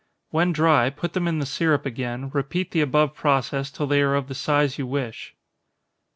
When dry, put them in the syrup again, repeat the above process till they are of the size you wish.